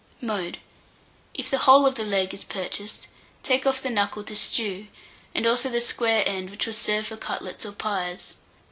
Mode. If the whole of the leg is purchased, take off the knuckle to stew, and also the square end, which will serve for cutlets or pies.